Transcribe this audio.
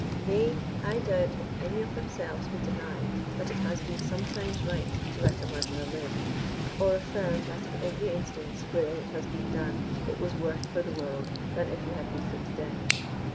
Nay, I doubt if any of themselves would deny that it has been sometimes right to let a murderer live, or affirm that in every instance wherein it has been done, it was worse for the world (han if he had been put to death.